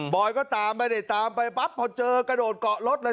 บอยก็ตามไปเนี่ยตามไปปั๊บเผาเจอกระโดดเกาะรถเลย